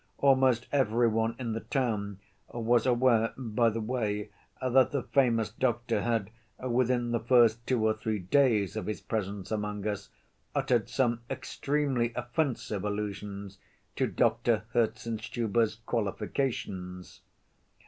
Almost every one in the town was aware, by the way, that the famous doctor had, within the first two or three days of his presence among us, uttered some extremely offensive allusions to Doctor Herzenstube's qualifications.